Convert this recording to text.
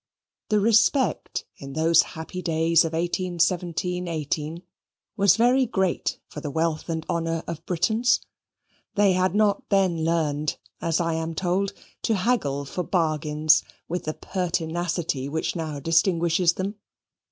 The respect in those happy days of 1817 18 was very great for the wealth and honour of Britons. They had not then learned, as I am told, to haggle for bargains with the pertinacity which now distinguishes them.